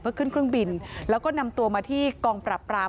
เพื่อขึ้นเครื่องบินแล้วก็นำตัวมาที่กองปรับปราม